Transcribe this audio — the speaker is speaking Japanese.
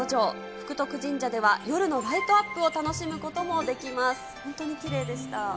福徳神社では、夜のライトアップを楽しむこともできます。